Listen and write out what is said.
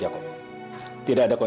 jangan lupa untuk melukakan